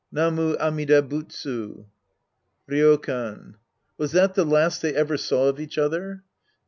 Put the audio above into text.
Namu Amida Butsu." Ryokan. Was that the last they ever saw of each other